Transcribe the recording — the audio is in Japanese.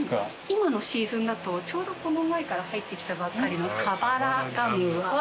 今のシーズンだとちょうどこの前から入ってきたばっかりの。